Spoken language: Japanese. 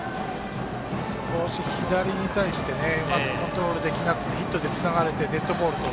少し、左に対してうまくコントロールできなくてヒットでつながれてデッドボールと。